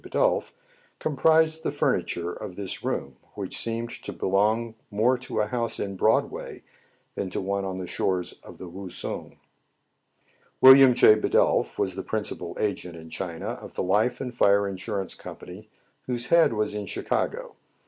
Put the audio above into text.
Bidulph, comprised the furniture of this room, which seemed to belong more to a house in Broadway than to one on the shores of the Wousung. William J. Bidulph was the principal agent in China of the life and fire insurance company whose head was in Chicago.